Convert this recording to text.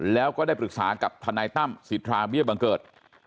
แล้วก็ได้ปรึกษากับทนายตั้มสิทธาเบี้ยบังเกิด